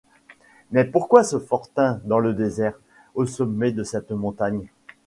Mais pourquoi ce fortin dans le désert, au sommet de cette montagne?